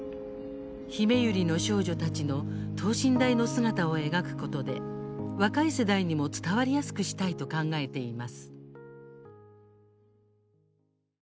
ひめゆりの少女たちの等身大の姿を描くことで若い世代にも伝わりやすくしたいと考えています。